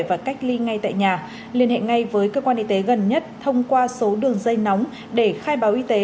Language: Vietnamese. và cách ly ngay tại nhà liên hệ ngay với cơ quan y tế gần nhất thông qua số đường dây nóng để khai báo y tế